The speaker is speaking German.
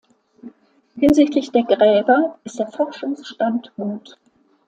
Hinsichtlich der Gräber ist der Forschungsstand gut.